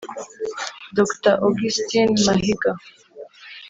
Dr Augustine Mahiga